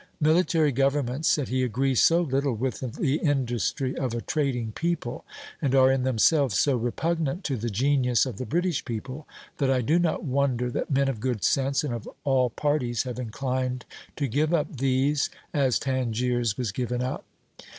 "Military governments," said he, "agree so little with the industry of a trading people, and are in themselves so repugnant to the genius of the British people, that I do not wonder that men of good sense and of all parties have inclined to give up these, as Tangiers was given up."